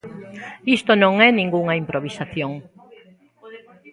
Isto non é ningunha improvisación.